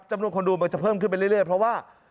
จำนวนคนดูมันจะเพิ่มขึ้นไปเรื่อยเพราะว่า